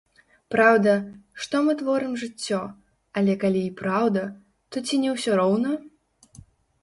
Праўда, што мы творым жыццё, але калі і праўда, то ці не ўсё роўна?